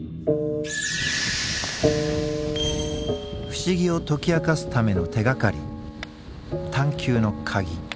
不思議を解き明かすための手がかり